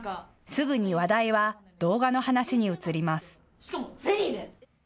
すぐに話題は動画の話に移ります。